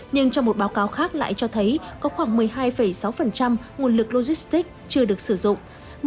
nhưng trong một báo cáo khác lại cho thấy có khoảng một mươi hai sáu nguồn lực logistics chưa được sử dụng